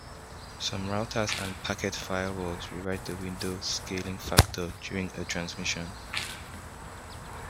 Some routers and packet firewalls rewrite the window scaling factor during a transmission.